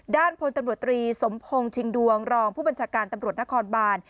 ด้านพลตำรวจตรีสมพงศ์ชิงดวงรองผู้บัญชาการตำรวจนครบาน